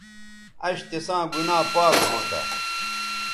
اش تساں گنا پاک ھونتہ